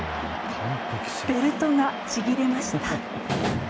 ベルトがちぎれました。